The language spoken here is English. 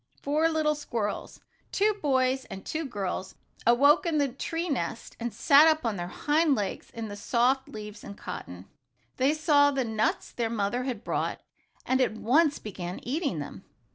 Four little squirrels two boys and two girls awoke in the tree nest and sat up on their hind legs in the soft leaves and cotton. They saw the nuts their mother had brought, and at once began eating them.